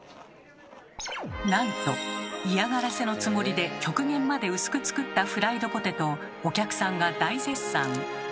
なんと嫌がらせのつもりで極限まで薄く作ったフライドポテトをお客さんが大絶賛。